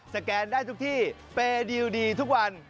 แกนได้ทุกที่เปดีลดีทุกวัน